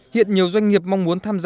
hiện nhiều doanh nghiệp mong muốn tham gia